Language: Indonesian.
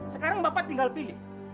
sekarang bapak tinggal pilih